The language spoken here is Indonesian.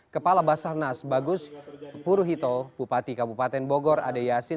kepala basarnas bagus puruhito bupati kabupaten bogor ade yasin